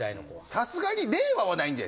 さすがに令和はないんじゃないですか？